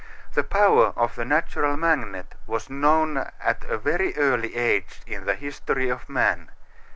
The power of the natural magnet was known at a very early age in the history of man.